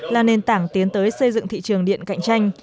là nền tảng tiến tới xây dựng thị trường điện cạnh tranh